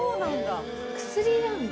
薬なんだ。